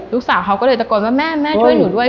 ลูกสาวเขาก็เลยตะโกนว่าแม่แม่ช่วยหนูด้วย